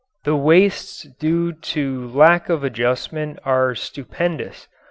The wastes due to lack of adjustment are stupendous.